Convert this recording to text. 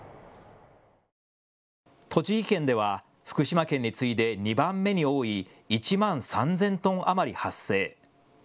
栃木県では福島県に次いで２番目に多い１万３０００トン余り発生。